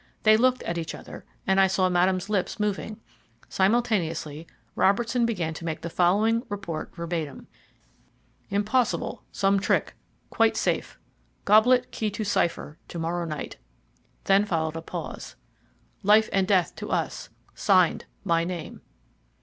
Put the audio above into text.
They looked at each other, and I saw Madame's lips moving. Simultaneously, Robertson began to make the following report verbatim: "Impossible...some trick...quite safe goblet...key to cipher...to morrow night." Then followed a pause. "Life and death to us... Signed ... My name."